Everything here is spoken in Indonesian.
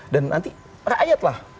dan nanti rakyat lah